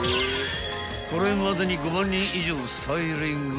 ［これまでに５万人以上をスタイリング］